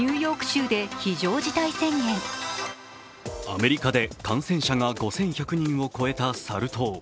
アメリカで感染者が５１００人を超えたサル痘。